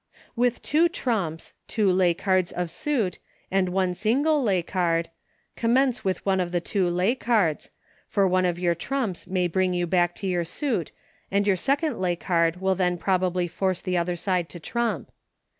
With two trumps, two lay cards of suit, and one single lay card, commence with one of the two lay cards, for one of your trumps may bring you back to your suit, and your second lay card will then probably force the other side to trump.